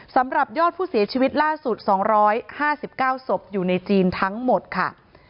สำหรับยอดผู้เสียชีวิตล่าสุด๒๕๙ศพอยู่ในจีนทั้งหมดค่ะ